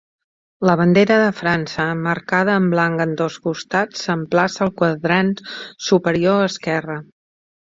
La bandera de França emmarcada en blanc en dos costats s'emplaça al quadrant superior esquerra.